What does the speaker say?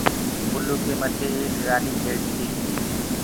پلوُ ڪي مٿي ايڪ گآڏي کيڙيٚ تيٚ